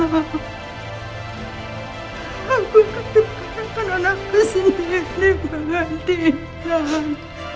aku ketukarkan anakku sendiri pak hantinan